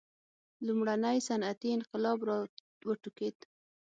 لومړنی صنعتي انقلاب را وټوکېد.